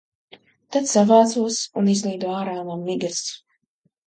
Tad savācos un izlīdu ārā no migas.